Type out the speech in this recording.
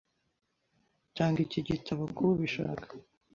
Tanga iki gitabo kubishaka.